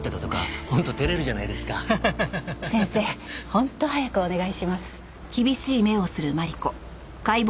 本当早くお願いします。